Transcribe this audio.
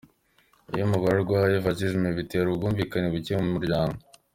Iyo umugore arwaye Vaginisme bitera ubwumvikane buke mu muryango.